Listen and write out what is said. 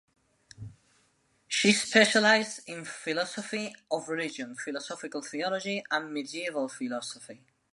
She specialised in philosophy of religion, philosophical theology and medieval philosophy.